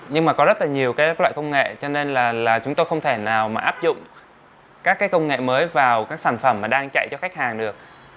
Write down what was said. nhưng mà có rất nhiều loại công nghệ cho nên là chúng tôi không thể nào mà áp dụng các công nghệ mới vào các sản phẩm đang chạy cho khách hàng được